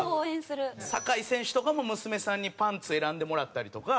酒井選手とかも娘さんにパンツ選んでもらったりとか。